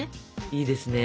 いいですね！